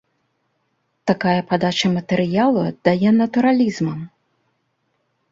Такая падача матэрыялу аддае натуралізмам.